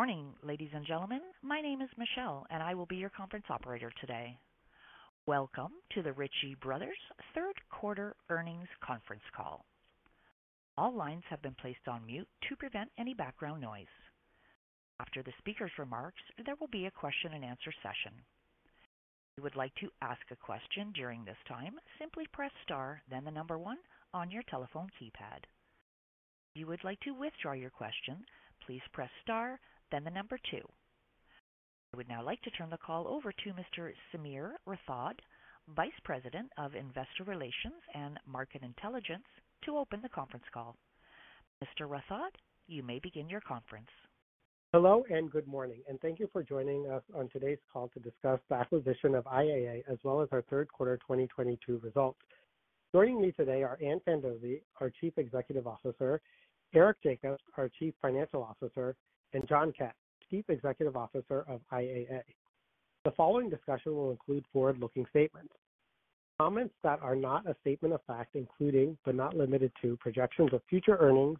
Morning, ladies and gentlemen. My name is Michelle, and I will be your conference operator today. Welcome to the Ritchie Bros. third quarter earnings conference call. All lines have been placed on mute, to prevent any background noise. After the speaker's remarks, there will be a question-and-answer session. If you would like to ask a question during this time, simply press star then the number one on your telephone keypad. If you would like to withdraw your question, please press star, then the number two. I would now like to turn the call over to Mr. Sameer Rathod, Vice President of Investor Relations and Market Intelligence, to open the conference call. Mr. Rathod, you may begin your conference. Hello, and good morning, and thank you for joining us on today's call to discuss the acquisition of IAA as well as our third quarter 2022 results. Joining me today are Ann Fandozzi, our Chief Executive Officer, Eric Jacobs, our Chief Financial Officer, and John Kett, Chief Executive Officer of IAA. The following discussion will include forward-looking statements. Comments that are not a statement of fact, including, but not limited to, projections of future earnings,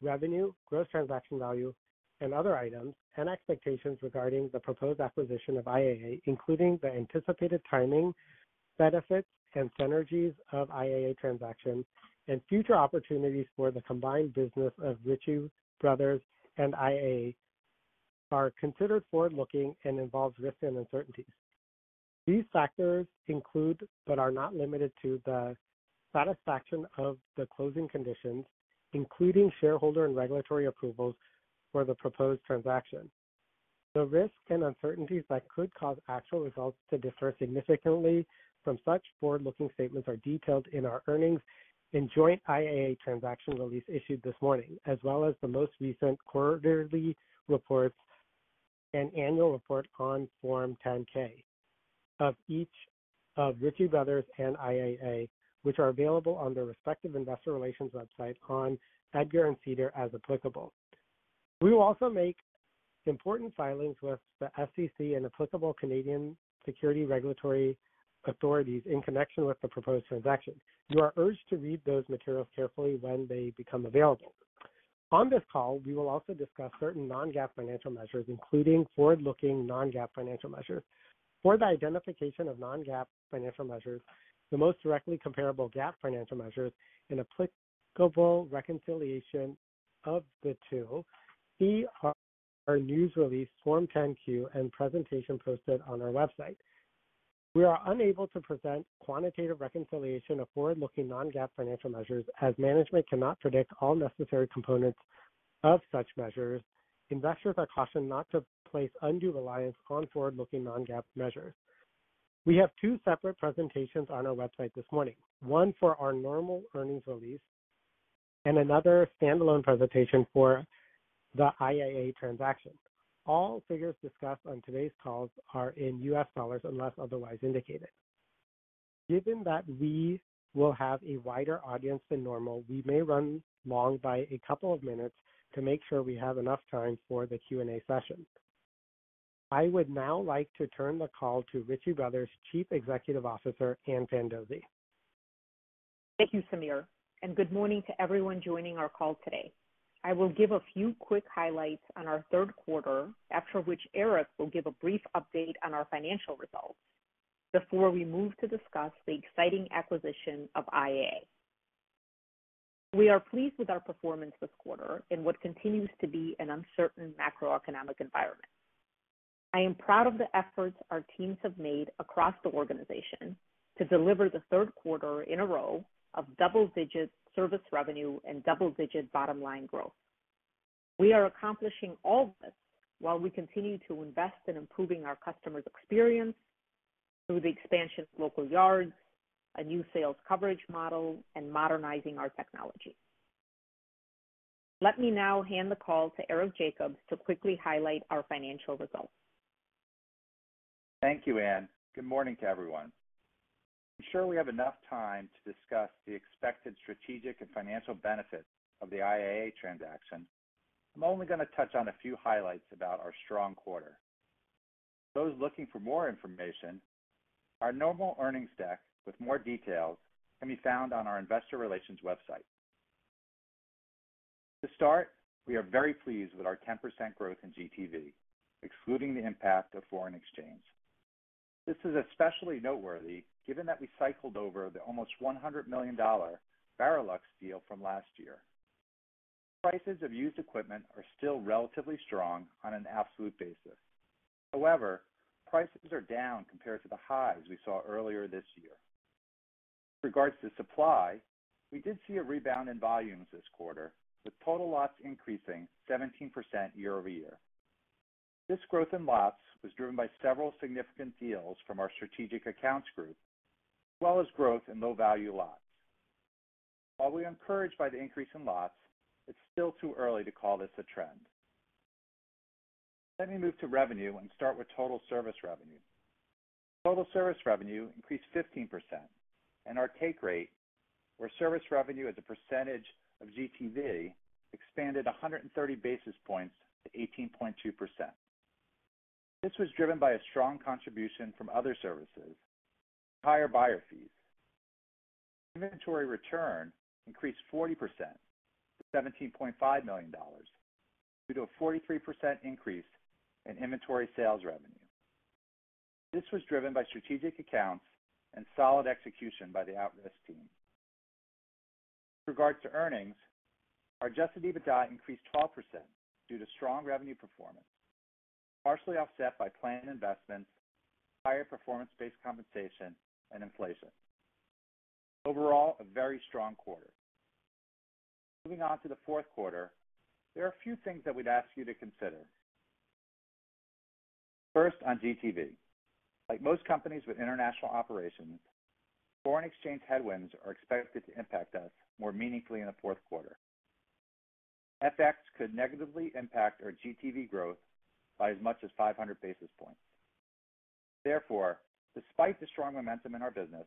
revenue, gross transaction value, and other items, and expectations regarding the proposed acquisition of IAA, including the anticipated timing, benefits, and synergies of IAA transactions, and future opportunities for the combined business of Ritchie Bros. and IAA, are considered forward-looking and involves risks and uncertainties. These factors include, but are not limited to the satisfaction of the closing conditions, including shareholder and regulatory approvals for the proposed transaction. The risks and uncertainties that could cause actual results to differ significantly, from such forward-looking statements are detailed in our earnings and joint IAA transaction release issued this morning, as well as the most recent quarterly reports and annual report on Form 10-K, of each of Ritchie Bros. and IAA, which are available on their respective investor relations website on EDGAR and SEDAR as applicable. We will also make important filings with the SEC and applicable Canadian securities regulatory authorities in connection with the proposed transaction. You are urged to read those materials carefully when they become available. On this call, we will also discuss certain non-GAAP financial measures, including forward-looking non-GAAP financial measures. For the identification of non-GAAP financial measures, the most directly comparable GAAP financial measures, and applicable reconciliation of the two, see our news release Form 10-Q and presentation posted on our website. We are unable to present quantitative reconciliation of forward-looking non-GAAP financial measures as management cannot predict all necessary components, of such measures. Investors are cautioned not to place undue reliance on forward-looking non-GAAP measures. We have two separate presentations on our website this morning. One for our normal earnings release, and another standalone presentation for the IAA transaction. All figures discussed on today's calls are in U.S. dollars unless otherwise indicated. Given that we will have a wider audience than normal, we may run long by a couple of minutes to make sure we have enough time for the Q&A session. I would now like to turn the call to Ritchie Bros. Chief Executive Officer, Ann Fandozzi. Thank you, Sameer, and good morning to everyone joining our call today. I will give a few quick highlights on our third quarter, after which Eric will give a brief update on our financial results, before we move to discuss the exciting acquisition of IAA. We are pleased with our performance this quarter in what continues to be an uncertain macroeconomic environment. I am proud of the efforts our teams have made across the organization, to deliver the third quarter in a row of double-digit service revenue and double-digit bottom line growth. We are accomplishing all this, while we continue to invest in improving our customers' experience through the expansion of local yards, a new sales coverage model, and modernizing our technology. Let me now hand the call to Eric Jacobs to quickly highlight our financial results. Thank you, Ann. Good morning to everyone. I'm sure we have enough time to discuss the expected strategic and financial benefits of the IAA transaction. I'm only gonna touch on a few highlights about our strong quarter. Those looking for more information, our normal earnings deck with more details can be found on our investor relations website. To start, we are very pleased with our 10% growth in GTV, excluding the impact of foreign exchange. This is especially noteworthy given that we cycled over the almost $100 million Barrilleaux deal from last year. Prices of used equipment are still relatively strong on an absolute basis. However, prices are down compared to the highs we saw earlier this year. With regards to supply, we did see a rebound in volumes this quarter, with total lots increasing 17% year-over-year. This growth in lots was driven by several significant deals from our strategic accounts group, as well as growth in low value lots. While we're encouraged by the increase in lots, it's still too early to call this a trend. Let me move to revenue and start with total service revenue. Total service revenue increased 15%, and our take rate, where service revenue is a percentage of GTV, expanded 130 basis points to 18.2%. This was driven by a strong contribution from other services, and higher buyer fees. Inventory return increased 40%, $17.5 million due to a 43% increase in inventory sales revenue. This was driven by strategic accounts and solid execution by the at-risk team. With regards to earnings, our adjusted EBITDA increased 12%, due to strong revenue performance, partially offset by planned investments, higher performance-based compensation and inflation. Overall, a very strong quarter. Moving on to the fourth quarter, there are a few things that we'd ask you to consider. First, on GTV. Like most companies with international operations, foreign exchange headwinds are expected to impact us more meaningfully in the fourth quarter. FX could negatively impact our GTV growth, by as much as 500 basis points. Therefore, despite the strong momentum in our business,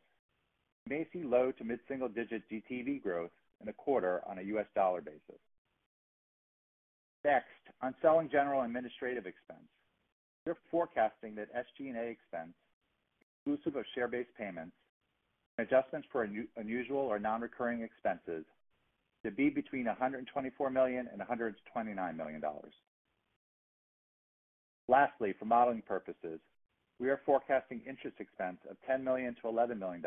we may see low to mid-single digit GTV growth in the quarter on a U.S. dollar basis. Next, on selling, general and administrative expense. We are forecasting that SG&A expense exclusive of share-based payments and adjustments for unusual or non-recurring expenses to be between $124 million and $129 million. Lastly, for modeling purposes, we are forecasting interest expense of $10 million-$11 million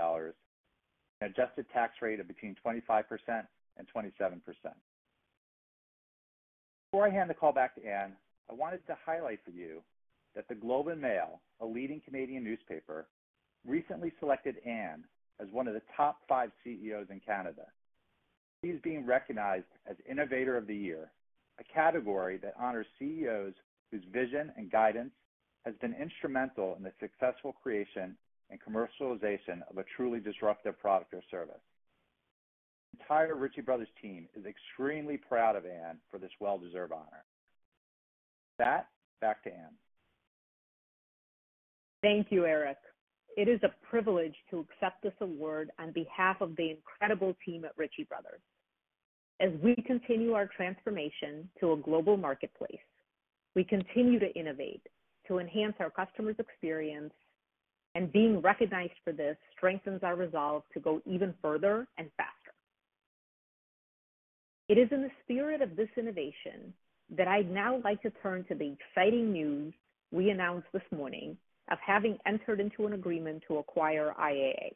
and adjusted tax rate of between 25% and 27%. Before I hand the call back to Ann, I wanted to highlight for you that The Globe and Mail, a leading Canadian newspaper, recently selected Ann as one of the top five CEOs in Canada. She is being recognized as Innovator of the Year, a category that honors CEOs whose vision and guidance, has been instrumental in the successful creation and commercialization of a truly disruptive product or service. The entire Ritchie Bros. team is extremely proud of Ann for this well-deserved honor. With that, back to Ann. Thank you, Eric. It is a privilege to accept this award on behalf of the incredible team at Ritchie Bros. As we continue our transformation to a global marketplace, we continue to innovate, to enhance our customers' experience, and being recognized for this strengthens our resolve to go even further and faster. It is in the spirit of this innovation, that I'd now like to turn to the exciting news we announced this morning of having entered into an agreement to acquire IAA.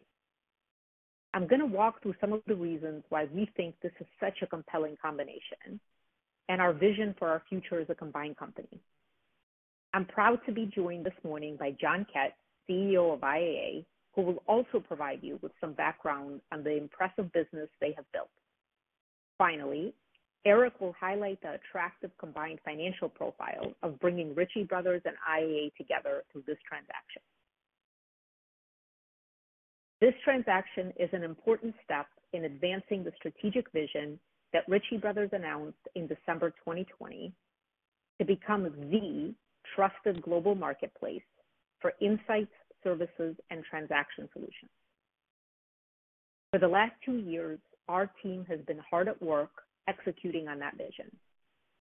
I'm gonna walk through some of the reasons why we think this is such a compelling combination, and our vision for our future as a combined company. I'm proud to be joined this morning by John Kett, CEO of IAA, who will also provide you with some background on the impressive business they have built. Finally, Eric will highlight the attractive combined financial profile of bringing Ritchie Bros. And IAA together through this transaction. This transaction is an important step in advancing the strategic vision that Ritchie Bros. Announced in December 2020, to become the trusted global marketplace for insights, services, and transaction solutions. For the last two years, our team has been hard at work executing on that vision,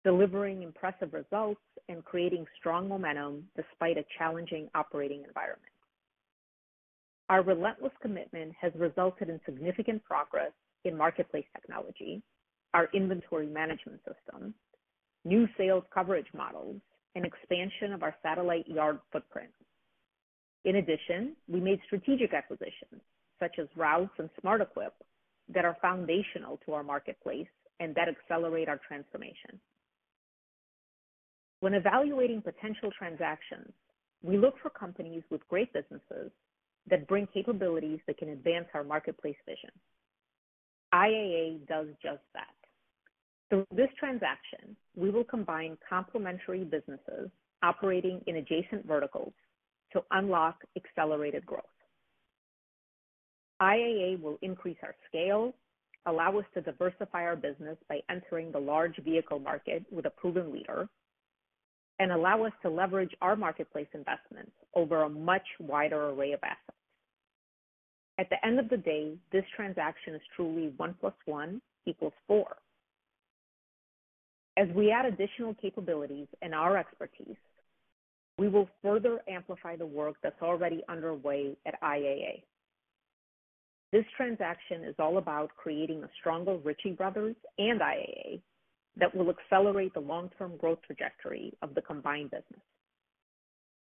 delivering impressive results, and creating strong momentum despite a challenging operating environment. Our relentless commitment has resulted in significant progress, in marketplace technology, our inventory management system, new sales coverage models, and expansion of our satellite yard footprint. In addition, we made strategic acquisitions such as Rouse Services and SmartEquip that are foundational to our marketplace, and that accelerate our transformation. When evaluating potential transactions, we look for companies with great businesses that bring capabilities that can advance our marketplace vision. IAA does just that. Through this transaction, we will combine complementary businesses operating in adjacent verticals to unlock accelerated growth. IAA will increase our scale, allow us to diversify our business by entering the large vehicle market with a proven leader, and allow us to leverage our marketplace investments over a much wider array of assets. At the end of the day, this transaction is truly one plus one equals four. As we add additional capabilities and our expertise, we will further amplify the work that's already underway at IAA. This transaction is all about creating a stronger Ritchie Bros. and IAA, that will accelerate the long-term growth trajectory of the combined business.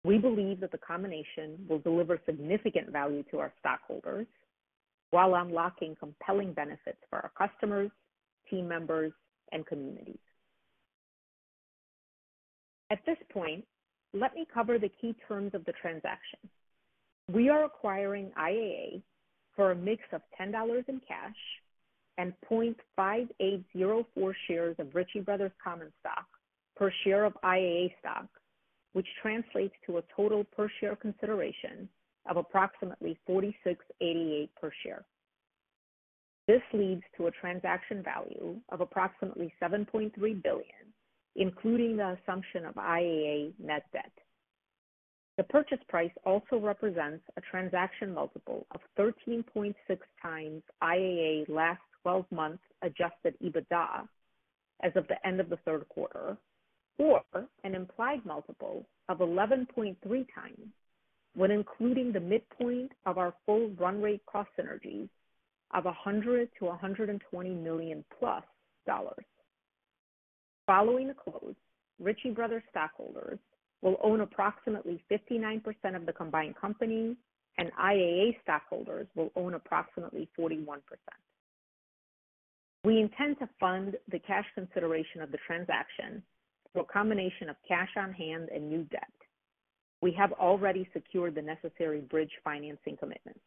We believe that the combination will deliver significant value to our stockholders, while unlocking compelling benefits for our customers, team members, and communities. At this point, let me cover the key terms of the transaction. We are acquiring IAA, for a mix of $10 in cash and 0.5804 shares of Ritchie Bros. common stock per share of IAA stock, which translates to a total per share consideration of approximately $46.88 per share. This leads to a transaction value of approximately $7.3 billion, including the assumption of IAA net debt. The purchase price also represents a transaction multiple of 13.6x IAA last twelve months adjusted EBITDA. As of the end of the third quarter, or an implied multiple of 11.3x, when including the midpoint of our full run rate cost synergy of $100 to a $120 million plus dollars. Following the close, Ritchie Bros. stockholders will own approximately 59% of the combined company, and IAA stockholders will own approximately 41%. We intend to fund the cash consideration of the transaction through a combination of cash on hand and new debt. We have already secured the necessary bridge financing commitment.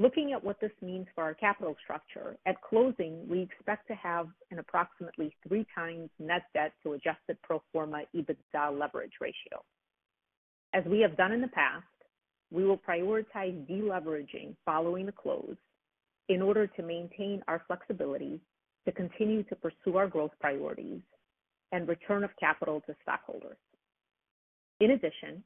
Looking at what this means for our capital structure, at closing, we expect to have an approximately 3x net debt to adjusted pro forma EBITDA leverage ratio. As we have done in the past, we will prioritize deleveraging following the close, in order to maintain our flexibility to continue to pursue our growth priorities, and return of capital to stockholders. In addition,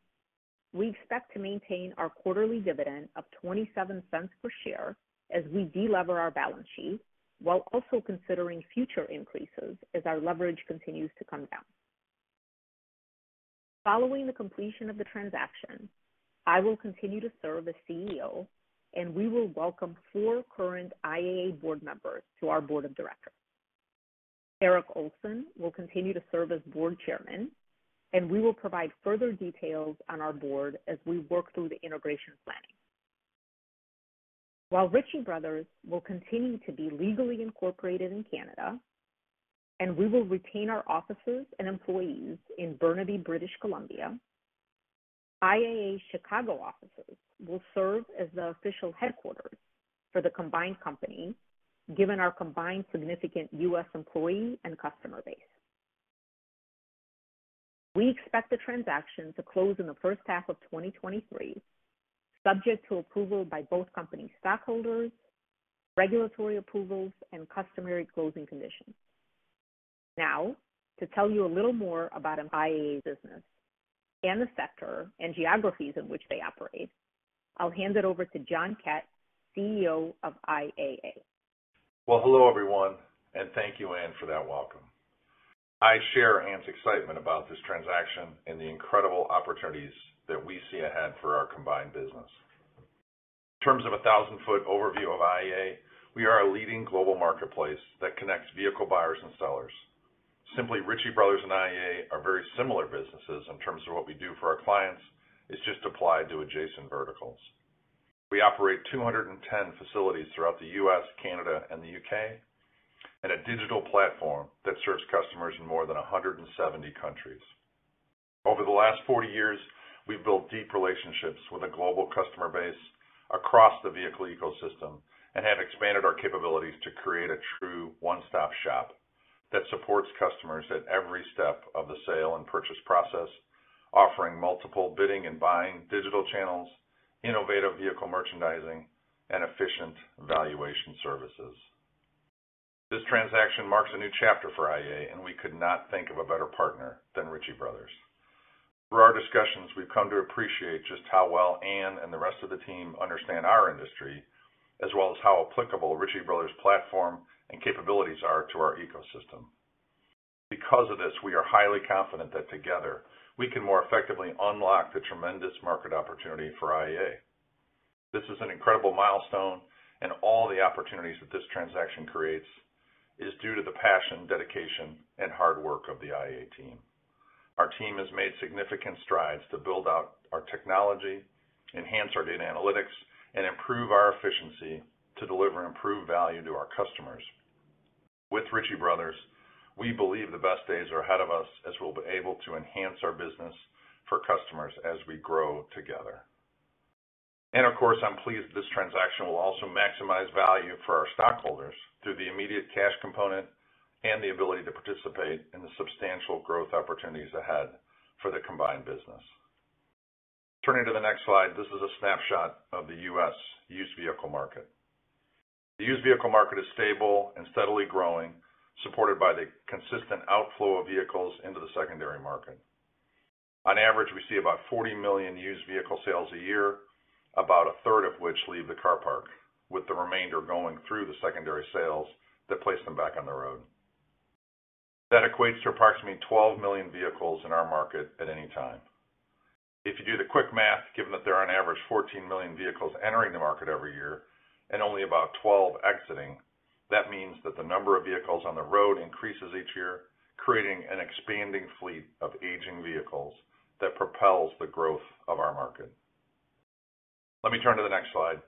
we expect to maintain our quarterly dividend of $0.27 per share, as we de-lever our balance sheet while also considering future increases as our leverage continues to come down. Following the completion of the transaction, I will continue to serve as CEO, and we will welcome four current IAA board members to our board of directors. Erik Olsson will continue to serve as board chairman, and we will provide further details on our board as we work through the integration planning. While Ritchie Bros. will continue to be legally incorporated in Canada, and we will retain our offices and employees in Burnaby, British Columbia, IAA Chicago offices will serve as the official headquarters for the combined company, given our combined significant U.S. employee and customer base. We expect the transaction to close in the first half of 2023, subject to approval by both company stockholders, regulatory approvals, and customary closing conditions. Now, to tell you a little more about an IAA business, and the sector and geographies in which they operate, I'll hand it over to John Kett, CEO of IAA. Well, hello, everyone, and thank you, Ann, for that welcome. I share Ann's excitement about this transaction and the incredible opportunities that we see ahead for our combined business. In terms of a thousand-foot overview of IAA, we are a leading global marketplace that connects vehicle buyers and sellers. Simply, Ritchie Bros. and IAA are very similar businesses in terms of what we do for our clients. It's just applied to adjacent verticals. We operate 210 facilities throughout the U.S., Canada, and the U.K., and a digital platform that serves customers in more than 170 countries. Over the last 40 years, we've built deep relationships with a global customer base across the vehicle ecosystem, and have expanded our capabilities to create a true one-stop shop, that supports customers at every step of the sale and purchase process, offering multiple bidding and buying digital channels, innovative vehicle merchandising, and efficient valuation services. This transaction marks a new chapter for IAA, and we could not think of a better partner than Ritchie Bros. Through our discussions, we've come to appreciate just how well Ann and the rest of the team understand our industry, as well as how applicable Ritchie Brothers' platform and capabilities are to our ecosystem. Because of this, we are highly confident that together we can more effectively unlock the tremendous market opportunity for IAA. This is an incredible milestone, and all the opportunities that this transaction creates is due to the passion, dedication, and hard work of the IAA team. Our team has made significant strides to build out our technology, enhance our data analytics, and improve our efficiency to deliver improved value to our customers. With Ritchie Bros., we believe the best days are ahead of us as we'll be able to enhance our business for customers as we grow together. Of course, I'm pleased this transaction will also maximize value for our stockholders, through the immediate cash component and the ability to participate in the substantial growth opportunities ahead for the combined business. Turning to the next slide. This is a snapshot of the U.S. used vehicle market. The used vehicle market is stable and steadily growing, supported by the consistent outflow of vehicles into the secondary market. On average, we see about 40 million used vehicle sales a year, about a third of which leave the car park, with the remainder going through the secondary sales that place them back on the road. That equates to approximately 12 million vehicles in our market at any time. If you do the quick math, given that there are on average 14 million vehicles entering the market every year and only about 12 exiting, that means that the number of vehicles on the road increases each year, creating an expanding fleet of aging vehicles, that propels the growth of our market. Let me turn to the next slide.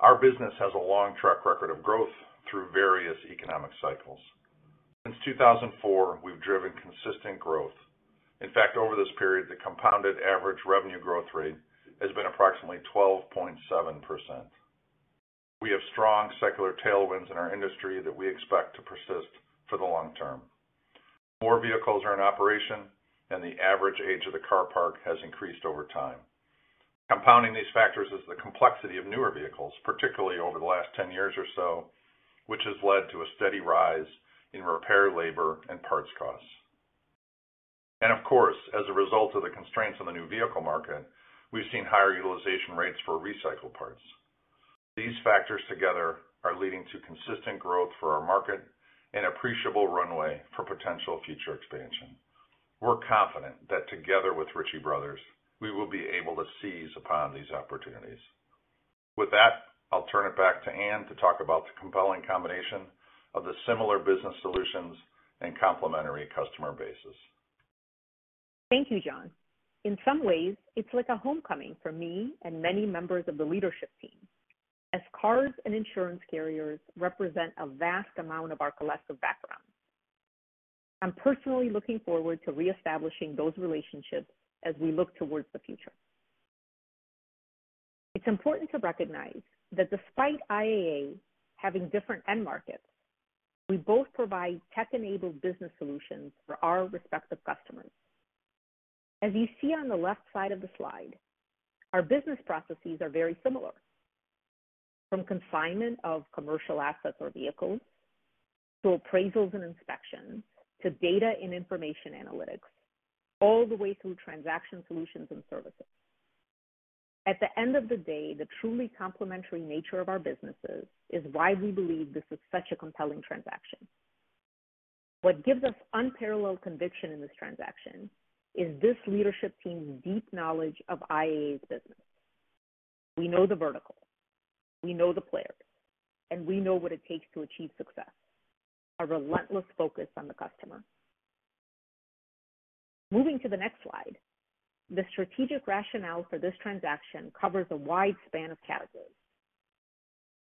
Our business has a long track record of growth through various economic cycles. Since 2004, we've driven consistent growth. In fact, over this period, the compounded average revenue growth rate has been approximately 12.7%. We have strong secular tailwinds in our industry that we expect to persist for the long term. More vehicles are in operation, and the average age of the car parc has increased over time. Compounding these factors is the complexity of newer vehicles, particularly over the last 10 years or so, which has led to a steady rise in repair labor and parts costs. Of course, as a result of the constraints on the new vehicle market, we've seen higher utilization rates for recycled parts. These factors together are leading to consistent growth for our market and appreciable runway for potential future expansion. We're confident that together with Ritchie Bros., we will be able to seize upon these opportunities. With that, I'll turn it back to Ann to talk about the compelling combination of the similar business solutions and complementary customer bases. Thank you, John. In some ways, it's like a homecoming for me and many members of the leadership team, as cars and insurance carriers represent a vast amount of our collective background. I'm personally looking forward to reestablishing those relationships as we look toward the future. It's important to recognize that despite IAA, having different end markets, we both provide tech-enabled business solutions for our respective customers. As you see on the left side of the slide, our business processes are very similar. From consignment of commercial assets or vehicles, to appraisals and inspections, to data and information analytics, all the way through transaction solutions and services. At the end of the day, the truly complementary nature of our businesses is why we believe this is such a compelling transaction. What gives us unparalleled conviction in this transaction is this leadership team's deep knowledge of IAA's business. We know the vertical, we know the players, and we know what it takes to achieve success, a relentless focus on the customer. Moving to the next slide, the strategic rationale for this transaction covers a wide span of categories,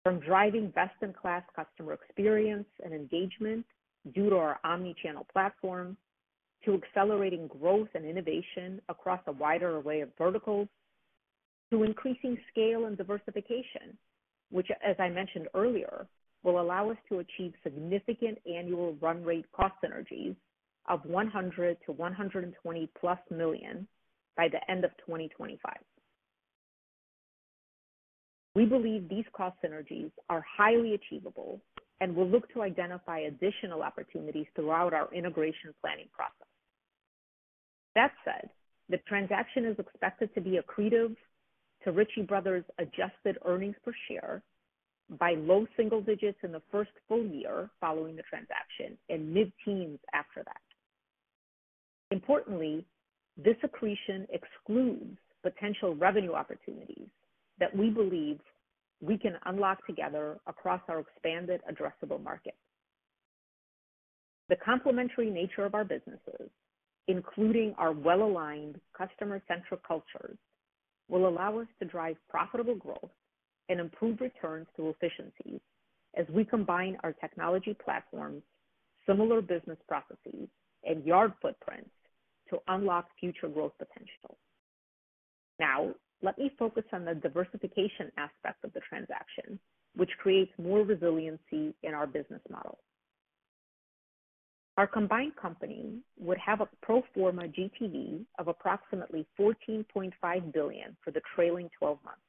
from driving best-in-class customer experience and engagement, due to our omni-channel platform, to accelerating growth and innovation across a wider array of verticals, to increasing scale and diversification, which, as I mentioned earlier, will allow us to achieve significant annual run rate cost synergies, of $100 million-$120+ million by the end of 2025. We believe these cost synergies are highly achievable, and will look to identify additional opportunities throughout our integration planning process. That said, the transaction is expected to be accretive to Ritchie Bros.' adjusted earnings per share by low single digits in the first full year following the transaction and mid-teens after that. Importantly, this accretion excludes potential revenue opportunities that we believe we can unlock together across our expanded addressable market. The complementary nature of our businesses, including our well-aligned customer-centric cultures, will allow us to drive profitable growth and improve returns through efficiencies as we combine our technology platforms, similar business processes, and yard footprints to unlock future growth potential. Now, let me focus on the diversification aspect of the transaction, which creates more resiliency in our business model. Our combined company would have a pro forma GTV of approximately $14.5 billion for the trailing twelve months.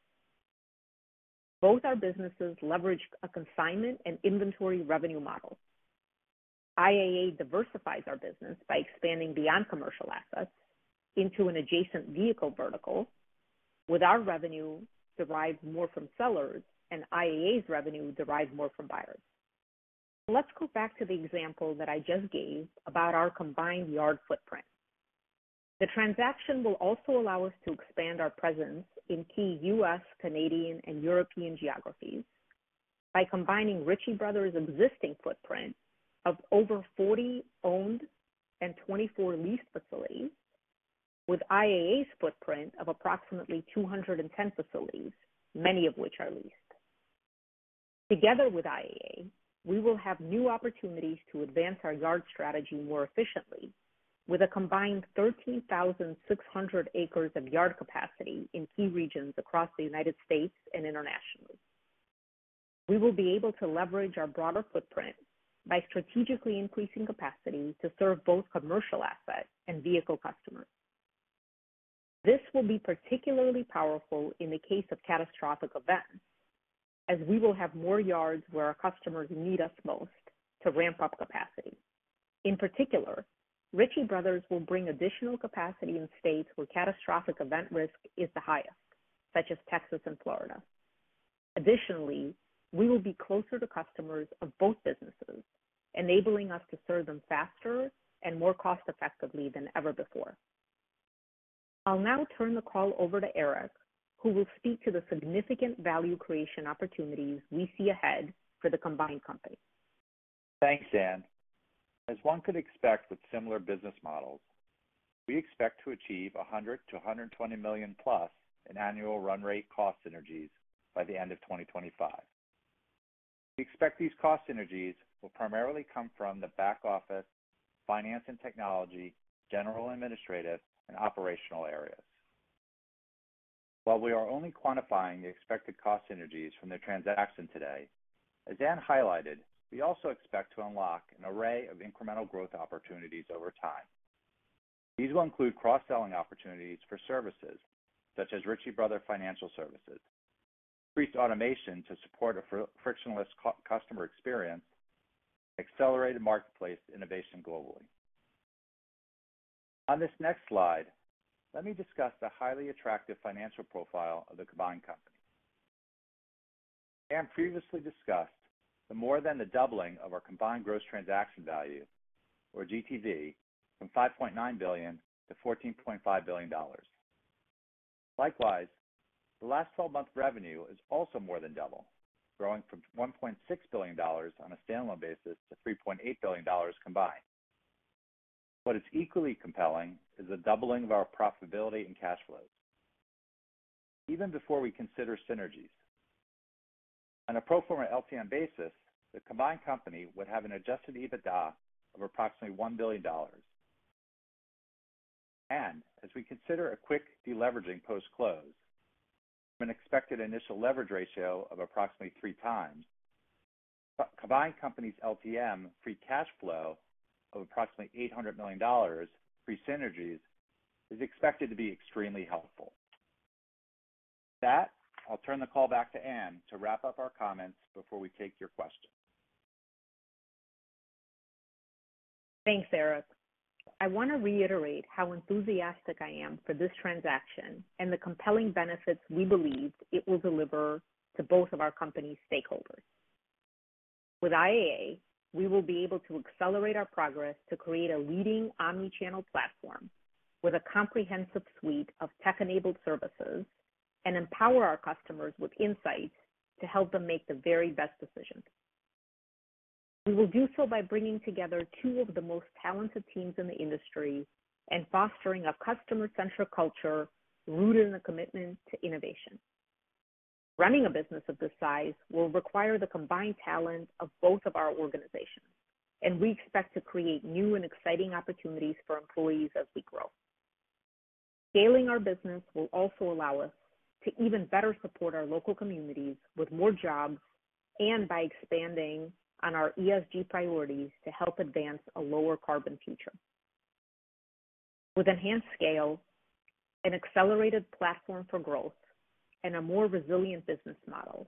Both our businesses leverage a consignment and inventory revenue model. IAA diversifies our business by expanding beyond commercial assets, into an adjacent vehicle vertical, with our revenue derived more from sellers and IAA's revenue derived more from buyers. Let's go back to the example that I just gave about our combined yard footprint. The transaction will also allow us to expand our presence in key U.S., Canadian, and European geographies, by combining Ritchie Bros.' existing footprint of over 40 owned and 24 leased facilities, with IAA's footprint of approximately 210 facilities, many of which are leased. Together with IAA, we will have new opportunities to advance our yard strategy more efficiently, with a combined 13,600 acres of yard capacity in key regions across the United States and internationally. We will be able to leverage our broader footprint by strategically increasing capacity to serve both commercial assets and vehicle customers. This will be particularly powerful in the case of catastrophic events, as we will have more yards where our customers need us most to ramp up capacity. In particular, Ritchie Bros. will bring additional capacity in states where catastrophic event risk is the highest, such as Texas and Florida. Additionally, we will be closer to customers of both businesses, enabling us to serve them faster and more cost-effectively than ever before. I'll now turn the call over to Eric, who will speak to the significant value creation opportunities we see ahead for the combined company. Thanks, Ann. As one could expect with similar business models, we expect to achieve $100 million-$120 million plus, in annual run rate cost synergies by the end of 2025. We expect these cost synergies will primarily come from the back office, finance and technology, general and administrative, and operational areas. While we are only quantifying the expected cost synergies from the transaction today, as Ann highlighted, we also expect to unlock an array of incremental growth opportunities over time. These will include cross-selling opportunities for services such as Ritchie Bros. Financial Services. Increase automation to support a frictionless customer experience. Accelerate marketplace innovation globally. On this next slide, let me discuss the highly attractive financial profile of the combined company. Anne previously discussed the more than the doubling of our combined gross transaction value, or GTV, from $5.9 billion to $14.5 billion. Likewise, the last twelve-month revenue is also more than double, growing from $1.6 billion on a standalone basis to $3.8 billion combined. What is equally compelling is the doubling of our profitability and cash flows. Even before we consider synergies. On a pro forma LTM basis, the combined company would have an adjusted EBITDA of approximately $1 billion. As we consider a quick deleveraging post-close from an expected initial leverage ratio of approximately 3x, but combined company's LTM free cash flow, of approximately $800 million pre synergies is expected to be extremely helpful. With that, I'll turn the call back to Anne to wrap up our comments before we take your questions. Thanks, Eric. I want to reiterate how enthusiastic I am for this transaction, and the compelling benefits we believe it will deliver to both of our companies' stakeholders. With IAA, we will be able to accelerate our progress to create a leading omni-channel platform, with a comprehensive suite of tech-enabled services and empower our customers with insights to help them make the very best decisions. We will do so by bringing together two of the most talented teams in the industry, and fostering a customer-centric culture rooted in the commitment to innovation. Running a business of this size will require the combined talent of both of our organizations, and we expect to create new and exciting opportunities for employees as we grow. Scaling our business will also allow us to even better support our local communities, with more jobs and by expanding on our ESG priorities to help advance a lower carbon future. With enhanced scale, an accelerated platform for growth, and a more resilient business model,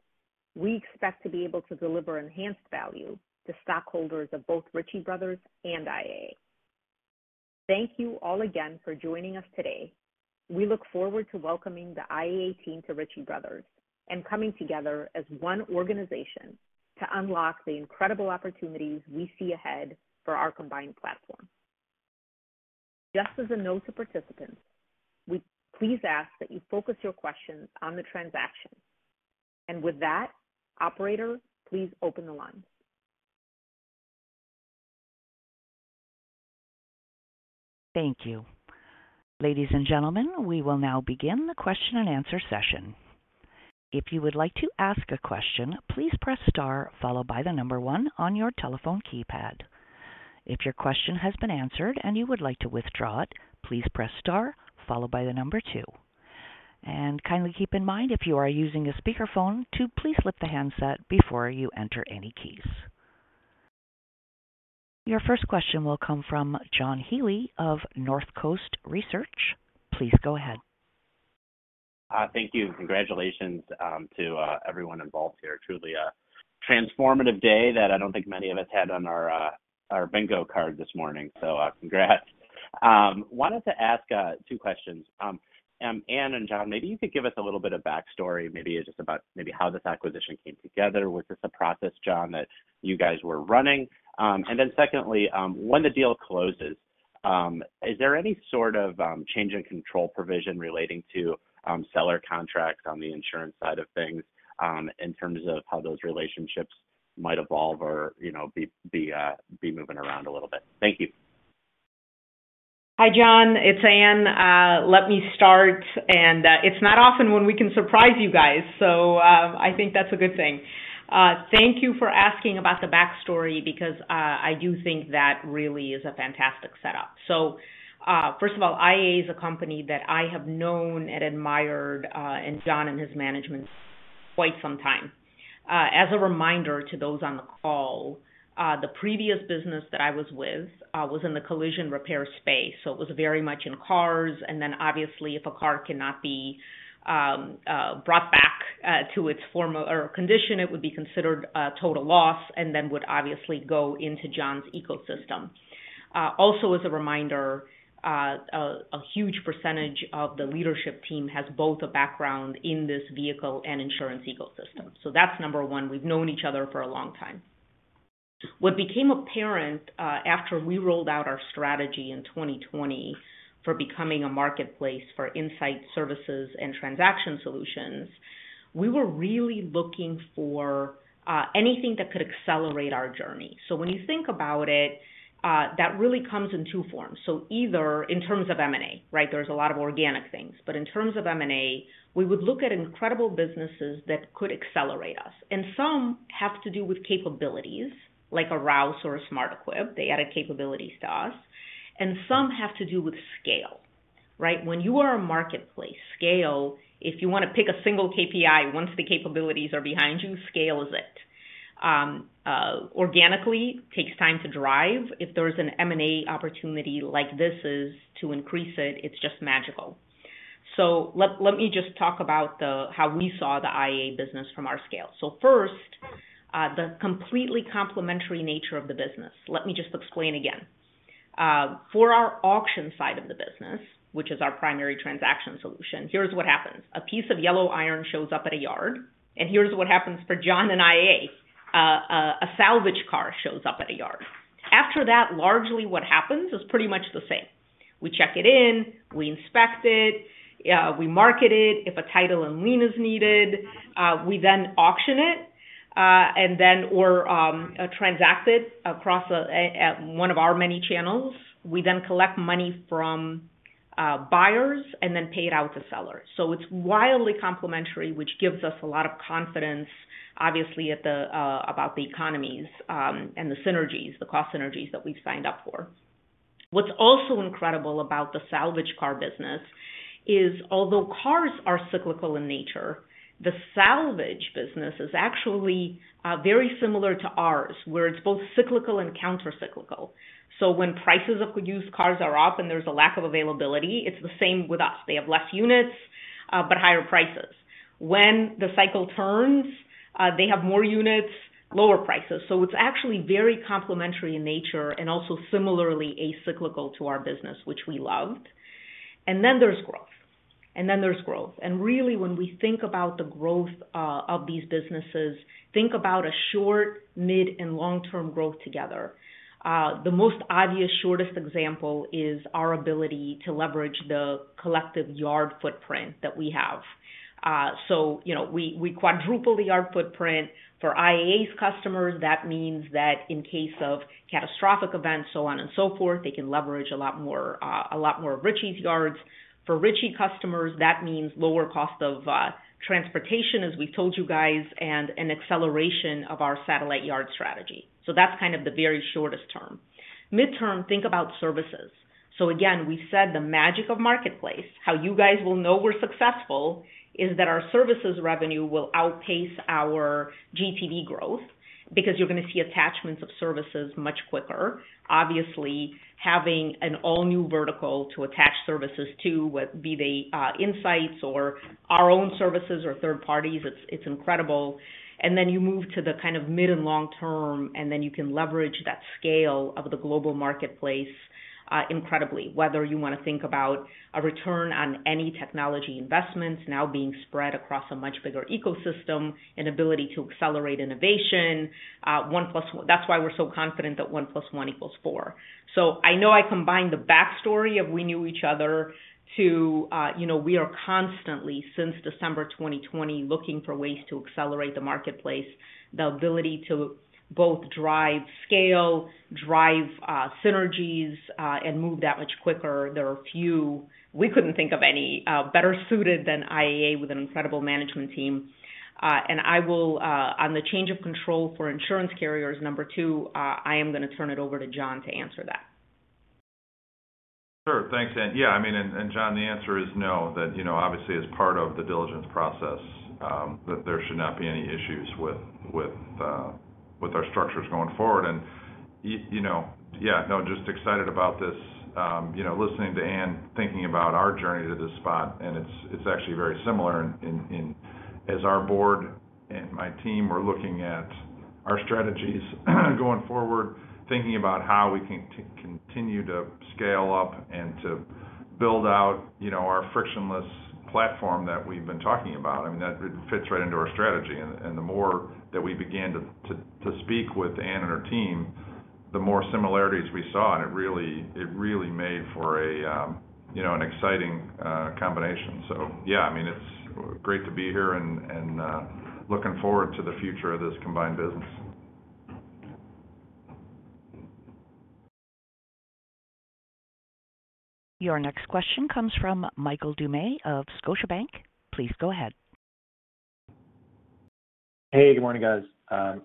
we expect to be able to deliver enhanced value to stockholders of both Ritchie Bros. and IAA. Thank you all again for joining us today. We look forward to welcoming the IAA team to Ritchie Brothers and coming together as one organization to unlock the incredible opportunities we see ahead for our combined platform. Just as a note to participants, we please ask that you focus your questions on the transaction. With that, operator, please open the lines. Thank you. Ladies and gentlemen, we will now begin the question and answer session. If you would like to ask a question, please press star followed by the number one on your telephone keypad. If your question has been answered and you would like to withdraw it, please press star followed by the number two. Kindly keep in mind, if you are using a speakerphone, to please lift the handset before you enter any keys. Your first question will come from John Healy of Northcoast Research. Please go ahead. Thank you. Congratulations to everyone involved here. Truly a transformative day that I don't think many of us had on our bingo card this morning. Congrats. Wanted to ask two questions. Ann and John, maybe you could give us a little bit of backstory, maybe just about how this acquisition came together. Was this a process, John, that you guys were running? Then secondly, when the deal closes, is there any sort of change in control provision relating to seller contracts on the insurance side of things, in terms of how those relationships might evolve or, you know, be moving around a little bit? Thank you. Hi, John. It's Ann. Let me start. It's not often when we can surprise you guys, so I think that's a good thing. Thank you for asking about the backstory because I do think that really is a fantastic setup. First of all, IAA is a company that I have known and admired, and John and his management quite some time. As a reminder to those on the call, the previous business that I was with, I was in the collision repair space, so it was very much in cars. Obviously if a car cannot be brought back to its former condition, it would be considered a total loss and then would obviously go into John's ecosystem. Also as a reminder, a huge percentage of the leadership team has both a background in this vehicle and insurance ecosystem. That's number one. We've known each other for a long time. What became apparent after we rolled out our strategy in 2020 for becoming a marketplace for insight services and transaction solutions, we were really looking for anything that could accelerate our journey. When you think about it, that really comes in two forms. Either in terms of M&A, right? There's a lot of organic things, but in terms of M&A, we would look at incredible businesses that could accelerate us. Some have to do with capabilities like a Rouse or a SmartEquip. They added capabilities to us, and some have to do with scale, right? When you are a marketplace, scale, if you want to pick a single KPI, once the capabilities are behind you, scale is it. Organically takes time to drive. If there's an M&A opportunity like this is to increase it's just magical. Let me just talk about how we saw the IAA business from our scale. First, the completely complementary nature of the business. Let me just explain again. For our auction side of the business, which is our primary transaction solution, here's what happens. A piece of yellow iron shows up at a yard, and here's what happens for John and IAA. A salvage car shows up at a yard. After that, largely what happens is pretty much the same. We check it in, we inspect it, we market it. If a title and lien is needed, we then auction it, or transact it across one of our many channels. We then collect money from buyers, and then pay it out to sellers. It's wildly complementary, which gives us a lot of confidence, obviously, about the economies and the synergies, the cost synergies that we've signed up for. What's also incredible about the salvage car business is, although cars are cyclical in nature, the salvage business is actually very similar to ours, where it's both cyclical and countercyclical. When prices of used cars are up and there's a lack of availability, it's the same with us. They have less units but higher prices. When the cycle turns, they have more units, lower prices. It's actually very complementary in nature and also similarly acyclical to our business, which we loved. Then there's growth. Really, when we think about the growth of these businesses, think about a short, mid, and long-term growth together. The most obvious shortest example is our ability to leverage the collective yard footprint that we have. You know, we quadruple the yard footprint. For IAA's customers, that means that in case of catastrophic events, so on and so forth, they can leverage a lot more, a lot more of Ritchie's yards. For Ritchie customers, that means lower cost of transportation, as we've told you guys, and an acceleration of our satellite yard strategy. That's kind of the very shortest term. Midterm, think about services. Again, we said the magic of marketplace, how you guys will know we're successful, is that our services revenue will outpace our GTV growth, because you're going to see attachments of services much quicker. Obviously, having an all-new vertical to attach services to, whether they be insights or our own services or third parties, it's incredible. Then you move to the kind of mid- and long-term, and then you can leverage that scale of the global marketplace, incredibly. Whether you want to think about a return on any technology investments now being spread across a much bigger ecosystem, an ability to accelerate innovation. That's why we're so confident that one plus one equals four. I know I combined the backstory of we knew each other too, you know, we are constantly, since December 2020, looking for ways to accelerate the marketplace, the ability to both drive scale, synergies, and move that much quicker. We couldn't think of any better suited than IAA with an incredible management team. I will, on the change of control for insurance carriers, number two, I am gonna turn it over to John to answer that. Sure. Thanks, Ann. Yeah, I mean, and John, the answer is no. You know, obviously as part of the diligence process, that there should not be any issues with our structures going forward. You know, yeah, no, just excited about this. You know, listening to Ann, thinking about our journey to this spot, and it's actually very similar as our board and my team were looking at our strategies going forward, thinking about how we can continue to scale up and to build out our frictionless platform that we've been talking about. I mean, that fits right into our strategy. The more that we began to speak with Ann and her team, the more similarities we saw, and it really made for an exciting combination. Yeah, I mean, it's great to be here and looking forward to the future of this combined business. Your next question comes from Michael Doumet of Scotiabank. Please go ahead. Hey, good morning, guys.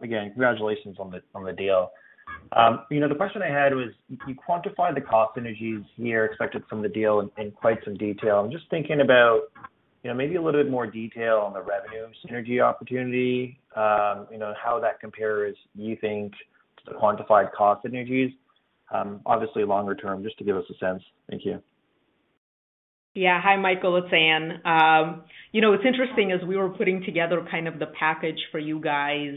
Again, congratulations on the deal. You know, the question I had was, you quantified the cost synergies here expected from the deal in quite some detail. I'm just thinking about, you know, maybe a little bit more detail on the revenue synergy opportunity, you know, how that compares, you think, to the quantified cost synergies, obviously longer term, just to give us a sense. Thank you. Yeah. Hi, Michael, it's Ann. You know, what's interesting is we were putting together kind of the package for you guys.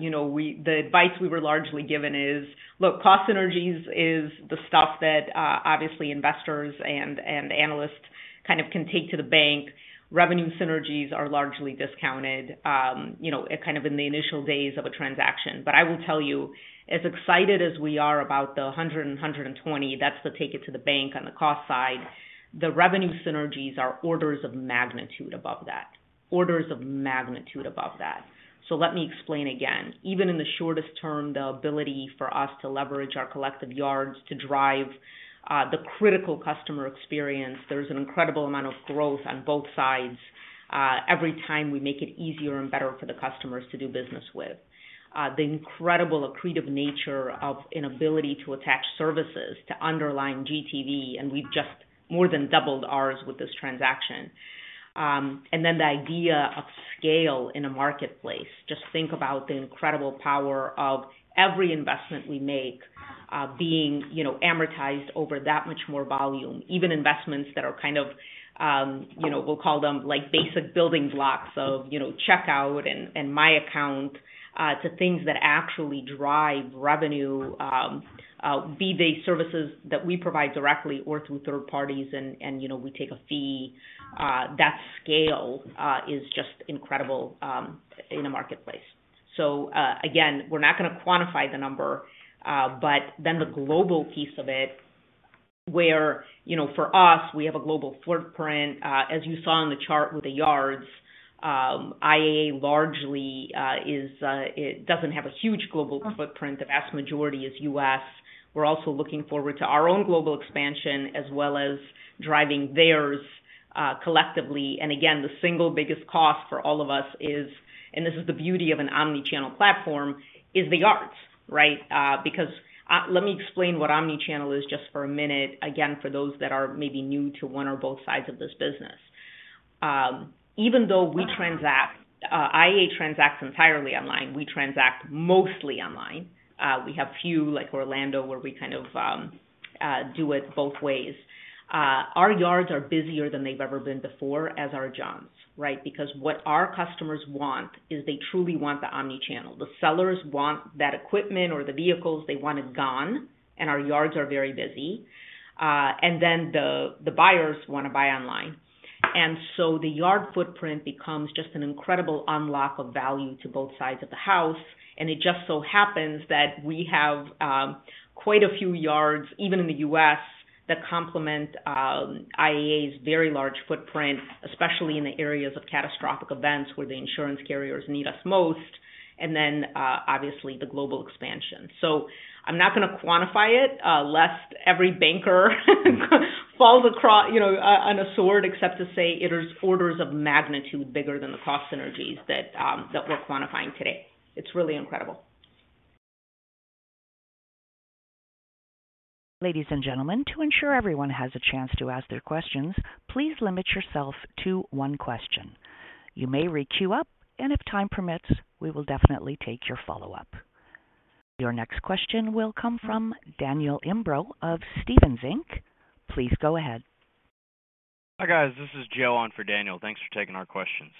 You know, the advice we were largely given is, look, cost synergies is the stuff that, obviously investors and analysts kind of can take to the bank. Revenue synergies are largely discounted, you know, kind of in the initial days of a transaction. I will tell you, as excited as we are about the $120, that's the take it to the bank on the cost side. The revenue synergies are orders of magnitude above that. Orders of magnitude above that. Let me explain again. Even in the shortest term, the ability for us to leverage our collective yards to drive the critical customer experience, there's an incredible amount of growth on both sides every time we make it easier and better for the customers to do business with. The incredible accretive nature of an ability to attach services to underlying GTV, and we've just more than doubled ours with this transaction. The idea of scale in a marketplace. Just think about the incredible power of every investment we make being, you know, amortized over that much more volume. Even investments that are kind of, you know, we'll call them like basic building blocks of, you know, checkout and my account to things that actually drive revenue, fee-based services that we provide directly or through third parties and you know, we take a fee. That scale is just incredible in a marketplace. Again, we're not going to quantify the number, but then the global piece of it, where, you know, for us, we have a global footprint. As you saw in the chart with the yards, IAA largely, it doesn't have a huge global footprint. The vast majority is U.S. We're also looking forward to our own global expansion as well as driving theirs collectively. And again, the single biggest cost for all of us is, and this is the beauty of an omni-channel platform, is the yards, right? Let me explain what omni-channel is just for a minute, again, for those that are maybe new to one or both sides of this business. Even though we transact, IAA transacts entirely online, we transact mostly online. We have few like Orlando, where we kind of do it both ways. Our yards are busier than they've ever been before as are John's, right? Because what our customers want is they truly want the omni-channel. The sellers want that equipment or the vehicles, they want it gone, and our yards are very busy. The buyers want to buy online. The yard footprint becomes just an incredible unlock of value to both sides of the house. It just so happens that we have quite a few yards, even in the U.S., that complement IAA's very large footprint, especially in the areas of catastrophic events where the insurance carriers need us most, and then obviously the global expansion. I'm not going to quantify it, lest every banker falls across, you know, on a sword, except to say it is orders of magnitude bigger than the cost synergies that we're quantifying today. It's really incredible. Ladies and gentlemen, to ensure everyone has a chance to ask their questions, please limit yourself to one question. You may queue up, and if time permits, we will definitely take your follow-up. Your next question will come from Daniel Imbro of Stephens Inc. Please go ahead. Hi, guys. This is Joe on for Daniel. Thanks for taking our questions.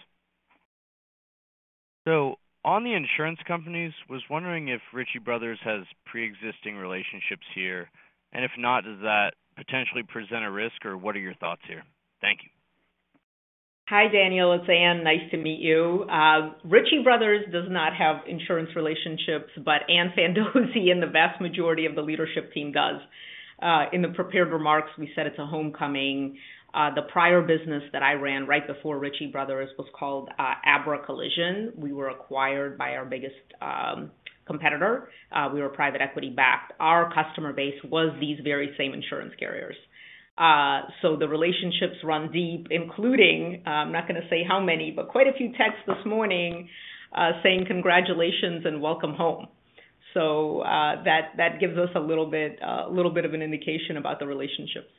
On the insurance companies, was wondering if Ritchie Bros. has pre-existing relationships here. If not, does that potentially present a risk, or what are your thoughts here? Thank you. Hi, Daniel. It's Ann. Nice to meet you. Ritchie Bros. Does not have insurance relationships, but Ann Fandozzi and the vast majority of the leadership team does. In the prepared remarks, we said it's a homecoming. The prior business that I ran right before Ritchie Brothers was called Abra Collision. We were acquired by our biggest competitor. We were private equity-backed. Our customer base was these very same insurance carriers. The relationships run deep, including I'm not going to say how many, but quite a few texts this morning saying congratulations and welcome home. That gives us a little bit of an indication about the relationships.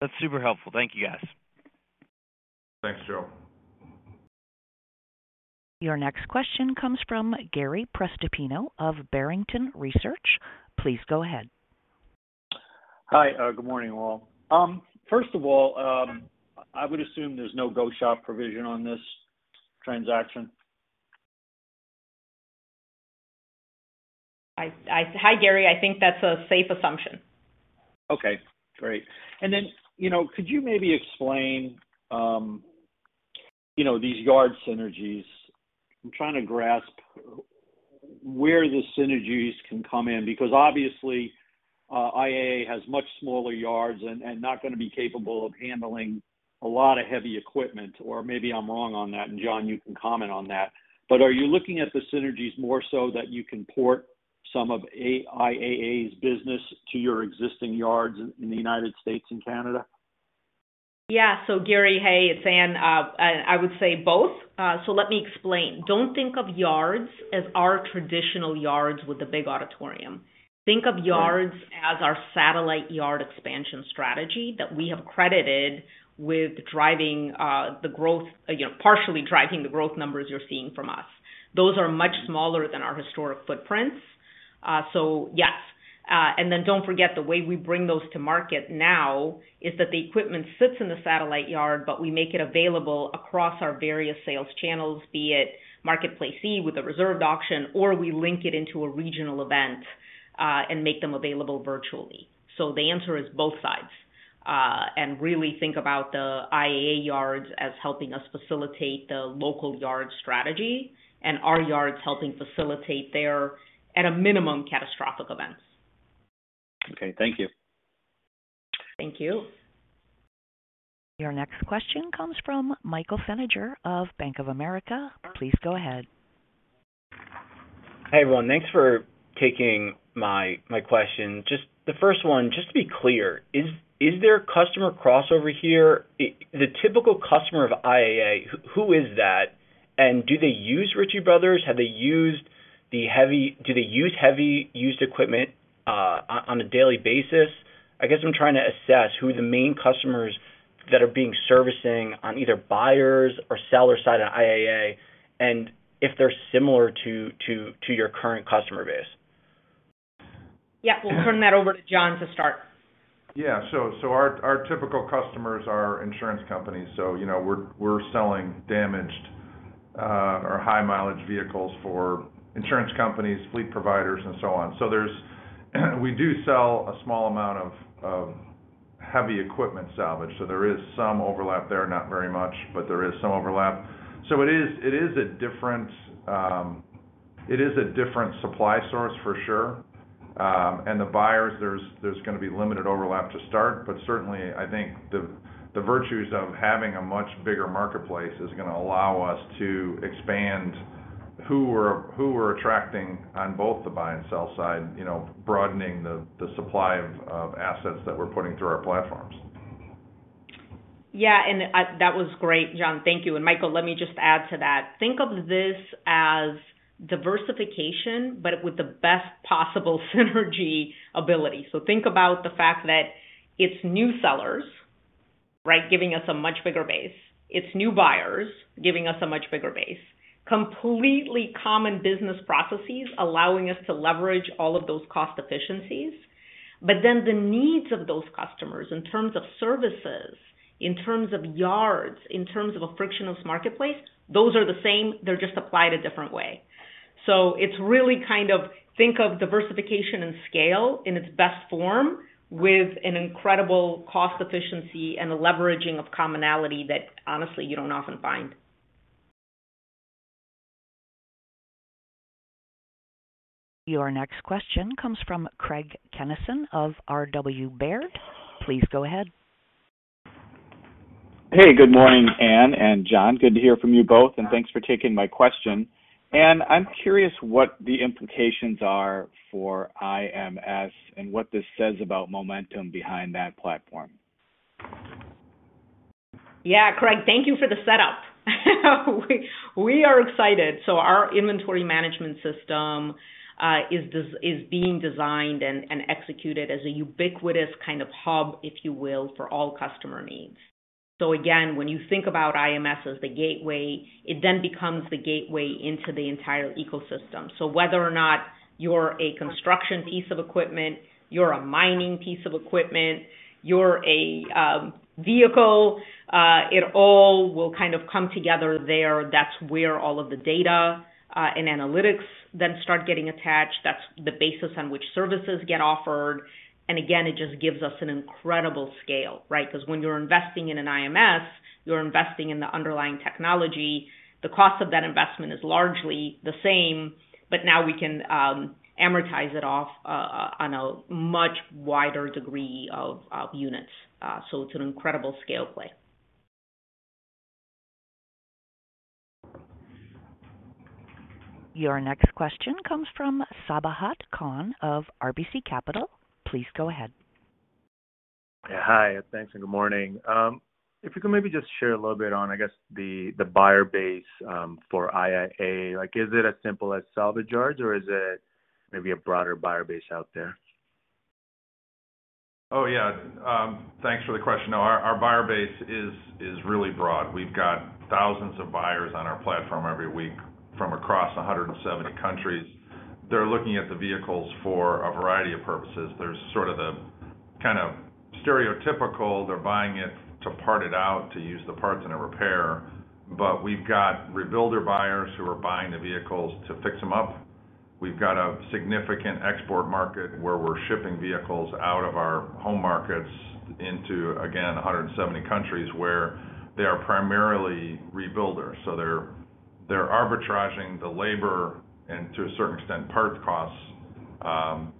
That's super helpful. Thank you, guys. Thanks, Joe. Your next question comes from Gary Prestopino of Barrington Research. Please go ahead. Hi. Good morning, all. First of all, I would assume there's no go shop provision on this transaction. Hi, Gary. I think that's a safe assumption. Okay, great. You know, could you maybe explain these yard synergies? I'm trying to grasp where the synergies can come in, because obviously, IAA has much smaller yards and not going to be capable of handling a lot of heavy equipment. Or maybe I'm wrong on that. John, you can comment on that. Are you looking at the synergies more so that you can port some of IAA's business to your existing yards in the United States and Canada? Yeah. So Gary, hey, it's Ann Fandozzi. I would say both. Let me explain. Don't think of yards as our traditional yards with the big auditorium. Think of yards as our satellite yard expansion strategy that we have credited with driving, the growth, you know, partially driving the growth numbers you're seeing from us. Those are much smaller than our historic footprints. Yes. Don't forget, the way we bring those to market now, is that the equipment sits in the satellite yard, but we make it available across our various sales channels, be it Marketplace-E with a reserved auction, or we link it into a regional event, and make them available virtually. The answer is both sides. Really think about the IAA yards as helping us facilitate the local yard strategy, and our yards helping facilitate their, at a minimum, catastrophic events. Okay, thank you. Thank you. Your next question comes from Michael Feniger of Bank of America. Please go ahead. Hey, everyone. Thanks for taking my question. Just the first one, just to be clear, is there customer crossover here? The typical customer of IAA, who is that? And do they use Ritchie Bros.? Do they use heavy used equipment on a daily basis? I guess I'm trying to assess who the main customers, that are being servicing on either buyers or seller side of IAA and if they're similar to your current customer base. Yeah. We'll turn that over to John to start. Our typical customers are insurance companies. You know, we're selling damaged, or high-mileage vehicles for insurance companies, fleet providers, and so on. We do sell a small amount of heavy equipment salvage, so there is some overlap there, not very much, but there is some overlap. It is a different supply source for sure. The buyers, there's gonna be limited overlap to start. Certainly I think the virtues of having a much bigger marketplace is gonna allow us to expand who we're attracting on both the buy and sell side, you know, broadening the supply of assets that we're putting through our platforms. Yeah. That was great, John. Thank you. Michael, let me just add to that. Think of this as diversification, but with the best possible synergy ability. Think about the fact that it's new sellers, right, giving us a much bigger base. It's new buyers giving us a much bigger base. Completely common business processes allowing us to leverage all of those cost efficiencies. The needs of those customers in terms of services, in terms of yards, in terms of a frictionless marketplace, those are the same, they're just applied a different way. It's really kind of think of diversification and scale in its best form, with an incredible cost efficiency and a leveraging of commonality that honestly, you don't often find. Your next question comes from Craig Kennison of R.W. Baird. Please go ahead. Hey, good morning, Ann and John. Good to hear from you both, and thanks for taking my question. Ann, I'm curious what the implications are for IMS and what this says about momentum behind that platform. Yeah. Craig, thank you for the setup. We are excited. Our inventory management system, is being designed and executed as a ubiquitous kind of hub, if you will, for all customer needs. Again, when you think about IMS as the gateway, it then becomes the gateway into the entire ecosystem. Whether or not you're a construction piece of equipment, you're a mining piece of equipment, you're a vehicle, it all will kind of come together there. That's where all of the data and analytics then start getting attached. That's the basis on which services get offered. Again, it just gives us an incredible scale, right? Because when you're investing in an IMS, you're investing in the underlying technology. The cost of that investment is largely the same, but now we can amortize it off on a much wider degree of units. It's an incredible scale play. Your next question comes from Sabahat Khan of RBC Capital. Please go ahead. Yeah. Hi, thanks and good morning. If you could maybe just share a little bit on, I guess, the buyer base for IAA. Like, is it as simple as salvage yards or is it maybe a broader buyer base out there? Oh, yeah. Thanks for the question. No, our buyer base is really broad. We've got thousands of buyers on our platform every week, from across 170 countries. They're looking at the vehicles for a variety of purposes. There's sort of kind of stereotypical, they're buying it to part it out to use the parts in a repair. We've got rebuilder buyers who are buying the vehicles to fix them up. We've got a significant export market where we're shipping vehicles out of our home markets into, again, 170 countries where they are primarily rebuilders. They're arbitraging the labor and to a certain extent parts costs,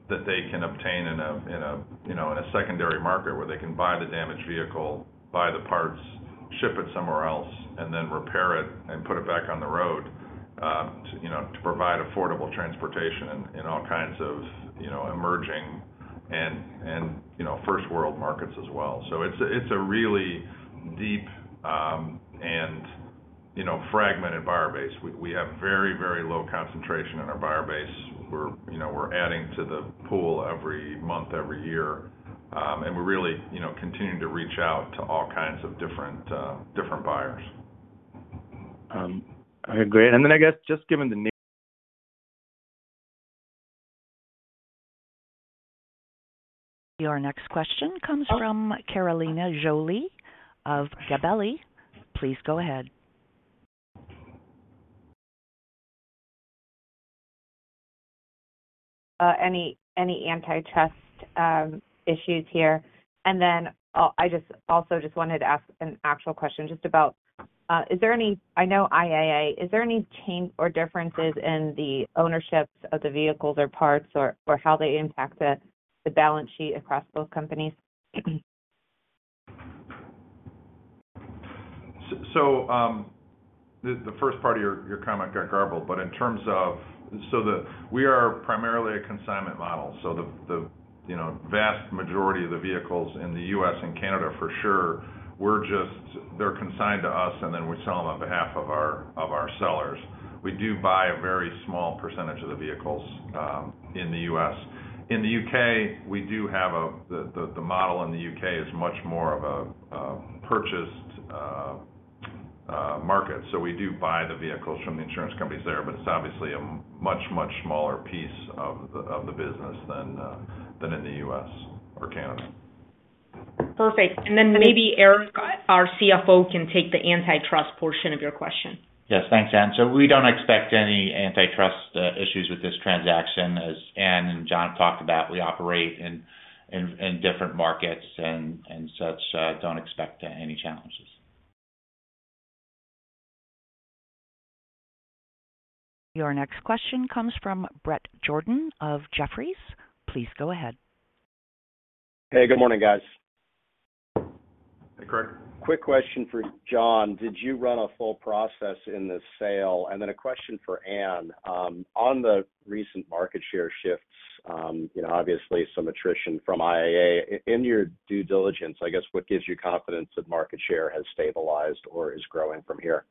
that they can obtain in a secondary market where they can buy the damaged vehicle, buy the parts, ship it somewhere else, and then repair it and put it back on the road, you know, to provide affordable transportation in all kinds of emerging and first world markets as well. It's a really deep and fragmented buyer base. We have very low concentration in our buyer base. We're adding to the pool every month, every year. We really continue to reach out to all kinds of different buyers. Okay, great. I guess just given the na- Your next question comes from Carolina Jolly of Gabelli. Please go ahead. Any antitrust issues here? Then I also just wanted to ask an actual question just about, I know IAA, is there any change or differences in the ownerships of the vehicles or parts or how they impact the balance sheet across both companies? The first part of your comment got garbled, but in terms of we are primarily a consignment model. The vast majority of the vehicles in the U.S. and Canada for sure, they're consigned to us and then we sell them on behalf of our sellers. We do buy a very small percentage of the vehicles in the U.S. In the U.K., the model is much more of a purchased market. We do buy the vehicles from the insurance companies there, but it's obviously a much smaller piece of the business than in the U.S. or Canada. Perfect. Maybe Eric, our CFO, can take the antitrust portion of your question. Yes. Thanks, Ann. We don't expect any antitrust issues with this transaction. As Ann and John talked about, we operate in different markets and such, don't expect any challenges. Your next question comes from Bret Jordan of Jefferies. Please go ahead. Hey, good morning, guys. Hey, Brett. Quick question for John Kett. Did you run a full process in this sale? A question for Ann Fandozzi. On the recent market share shifts, you know, obviously some attrition from IAA. In your due diligence, I guess, what gives you confidence that market share has stabilized or is growing from here?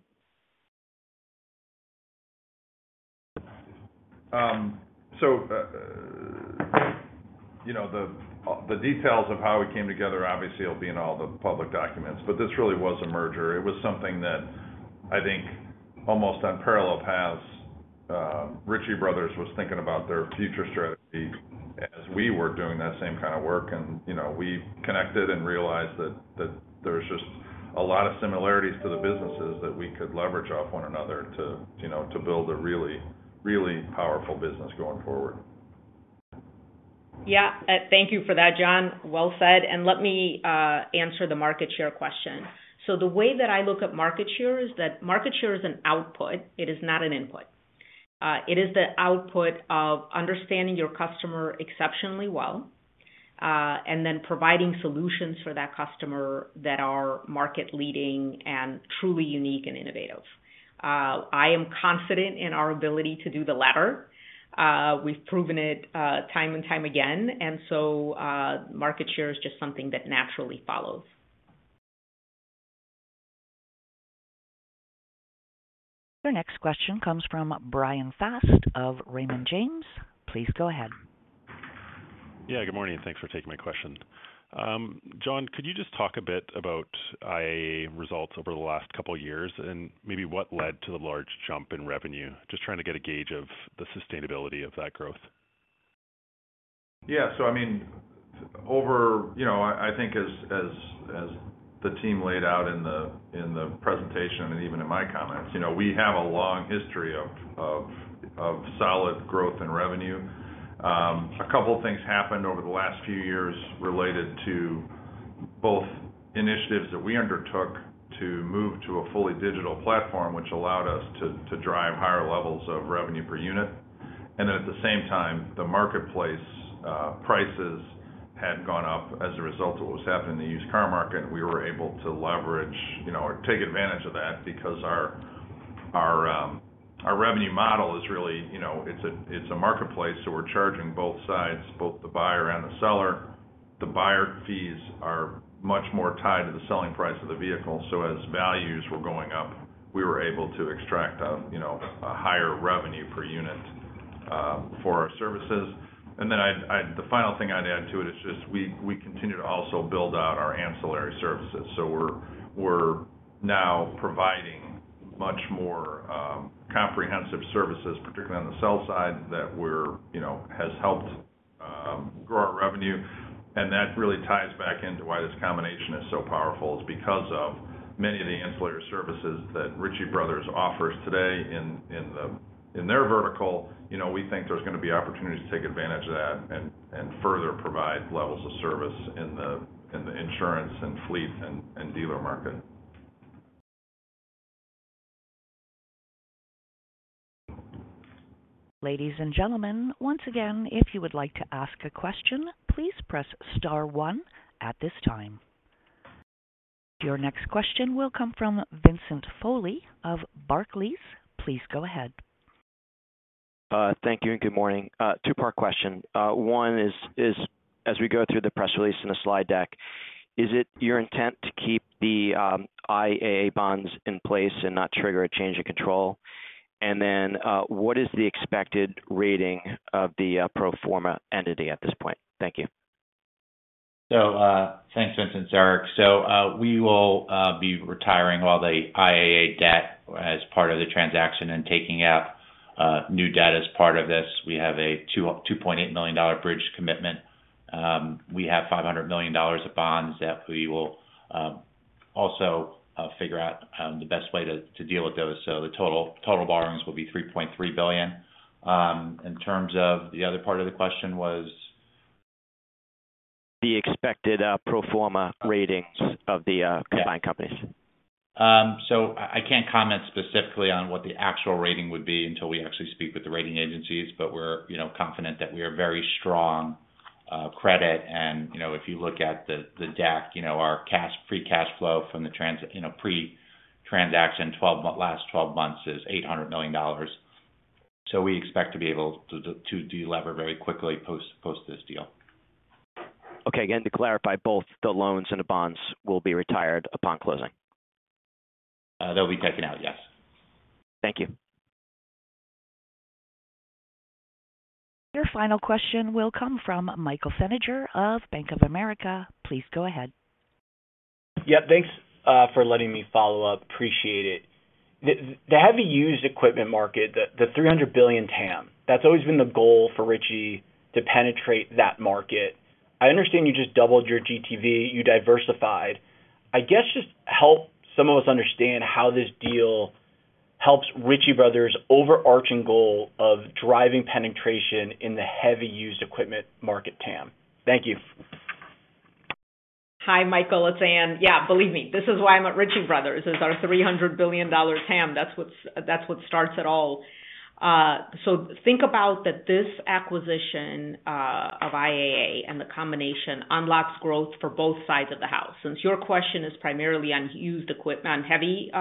You know, the details of how we came together obviously will be in all the public documents, but this really was a merger. It was something that I think almost on parallel paths, Ritchie Bros. was thinking about their future strategy as we were doing that same kind of work. You know, we connected and realized that there's just a lot of similarities to the businesses that we could leverage off one another to, you know, to build a really, really powerful business going forward. Thank you for that, John. Well said. Let me answer the market share question. The way that I look at market share is that market share is an output, it is not an input. It is the output of understanding your customer exceptionally well, and then providing solutions for that customer that are market leading and truly unique and innovative. I am confident in our ability to do the latter. We've proven it time and time again, and market share is just something that naturally follows. Your next question comes from Brian Gesuale of Raymond James. Please go ahead. Yeah, good morning, and thanks for taking my question. John, could you just talk a bit about IAA results over the last couple of years and maybe what led to the large jump in revenue? Just trying to get a gauge of the sustainability of that growth. Yeah. I mean, you know, I think as the team laid out in the presentation and even in my comments, you know, we have a long history of solid growth in revenue. A couple of things happened over the last few years related to, both initiatives that we undertook to move to a fully digital platform, which allowed us to drive higher levels of revenue per unit. Then at the same time, the marketplace prices had gone up as a result of what was happening in the used car market, and we were able to leverage, you know, or take advantage of that because our revenue model is really, you know, it's a marketplace, so we're charging both sides, both the buyer and the seller. The buyer fees are much more tied to the selling price of the vehicle. As values were going up, we were able to extract a you know a higher revenue per unit for our services. Then I'd the final thing I'd add to it is just we continue to also build out our ancillary services. We're now providing much more comprehensive services, particularly on the sell side, that we're you know has helped grow our revenue. That really ties back into why this combination is so powerful. It's because of many of the ancillary services that Ritchie Bros. offers today in their vertical. You know, we think there's going to be opportunities to take advantage of that and further provide levels of service in the insurance and fleet and dealer market. Ladies and gentlemen, once again, if you would like to ask a question, please press star one at this time. Your next question will come from Vincent Foley of Barclays. Please go ahead. Thank you and good morning. Two-part question. One is, as we go through the press release and the slide deck, is it your intent to keep the IAA bonds in place and not trigger a change in control? What is the expected rating of the pro forma entity at this point? Thank you. Thanks, Vincent. It's Eric. We will be retiring all the IAA debt as part of the transaction and taking out new debt as part of this. We have a $2.8 million bridge commitment. We have $500 million of bonds that we will also figure out the best way to deal with those. The total borrowings will be $3.3 billion. In terms of the other part of the question was? The expected pro forma ratings of the Yeah. combined companies. I can't comment specifically on what the actual rating would be until we actually speak with the rating agencies. We're, you know, confident that we are very strong. Credit and, you know, if you look at the deck, you know, our free cash flow pre-transaction last twelve months is $800 million. We expect to be able to delever very quickly post this deal. Okay. Again, to clarify, both the loans and the bonds will be retired upon closing. They'll be taken out, yes. Thank you. Your final question will come from Michael Feniger of Bank of America. Please go ahead. Yeah, thanks for letting me follow up. Appreciate it. The heavy used equipment market, the $300 billion TAM, that's always been the goal for Ritchie to penetrate that market. I understand you just doubled your GTV, you diversified. I guess, just help some of us understand how this deal helps Ritchie Bros.' overarching goal of driving penetration in the heavy used equipment market TAM. Thank you. Hi, Michael, it's Ann. Yeah, believe me, this is why I'm at Ritchie Bros. is our $300 billion TAM. That's what's that what starts it all. Think about that this acquisition of IAA and the combination unlocks growth for both sides of the house. Since your question is primarily on used equip on heavy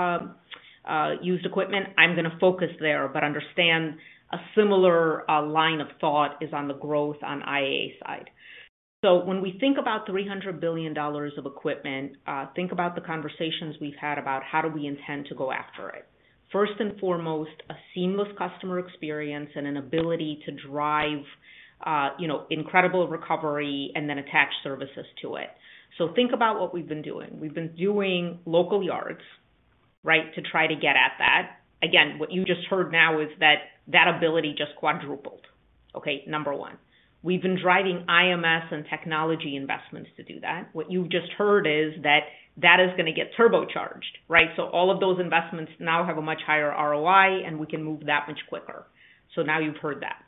used equipment, I'm gonna focus there, but understand a similar line of thought is on the growth on IAA side. When we think about $300 billion of equipment, think about the conversations we've had about how do we intend to go after it. First and foremost, a seamless customer experience and an ability to drive, you know incredible recovery and then attach services to it. Think about what we've been doing. We've been doing local yards, right? To try to get at that. Again, what you just heard now is that that ability just quadrupled. Okay, number one, we've been driving IMS and technology investments to do that. What you've just heard is that that is gonna get turbocharged, right? All of those investments now have a much higher ROI, and we can move that much quicker. Now you've heard that.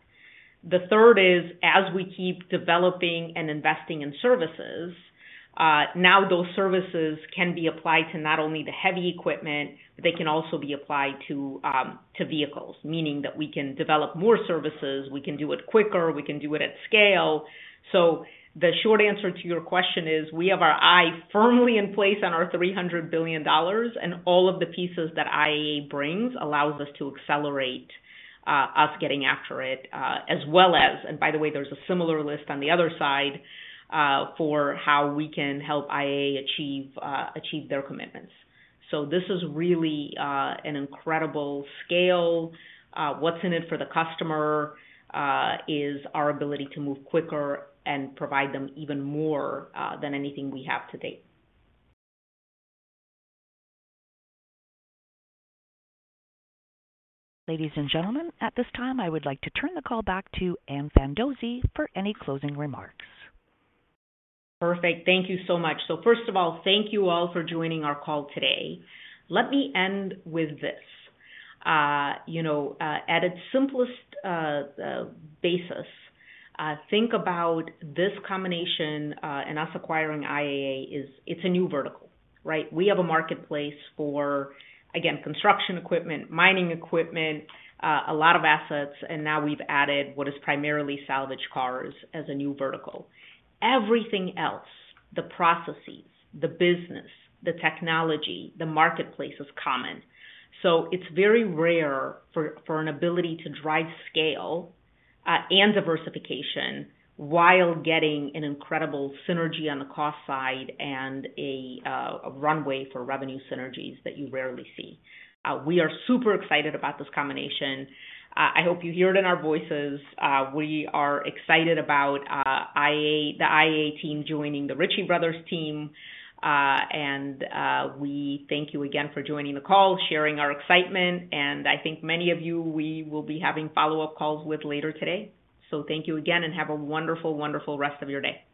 The third is, as we keep developing and investing in services, now those services can be applied to not only the heavy equipment, but they can also be applied to vehicles, meaning that we can develop more services, we can do it quicker, we can do it at scale. The short answer to your question is, we have our eye firmly in place on our $300 billion, and all of the pieces that IAA brings allows us to accelerate, us getting after it, as well as and by the way, there's a similar list on the other side for how we can help IAA achieve their commitments. This is really an incredible scale. What's in it for the customer is our ability to move quicker and provide them even more than anything we have to date. Ladies and gentlemen, at this time, I would like to turn the call back to Ann Fandozzi for any closing remarks. Perfect. Thank you so much. First of all, thank you all for joining our call today. Let me end with this. You know, at its simplest basis, think about this combination and us acquiring IAA. It's a new vertical, right? We have a marketplace for, again, construction equipment, mining equipment, a lot of assets, and now we've added what is primarily salvage cars as a new vertical. Everything else, the processes, the business, the technology, the marketplace is common. It's very rare for an ability to drive scale and diversification while getting an incredible synergy on the cost side and a runway for revenue synergies that you rarely see. We are super excited about this combination. I hope you hear it in our voices. We are excited about the IAA team joining the Ritchie Bros. team. We thank you again for joining the call, sharing our excitement, and I think many of you we will be having follow-up calls with later today. Thank you again and have a wonderful rest of your day.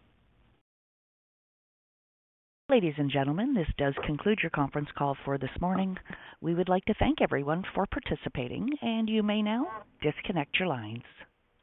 Ladies and gentlemen, this does conclude your conference call for this morning. We would like to thank everyone for participating, and you may now disconnect your lines.